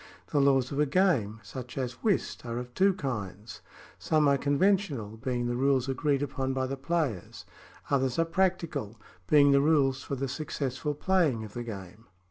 The laws of a game, such as whist, are of two kinds : some are conventional, being the rules agreed upon by the players ; others are practical, being the rules for the successful playing of the game.